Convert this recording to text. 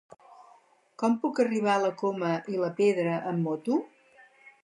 Com puc arribar a la Coma i la Pedra amb moto?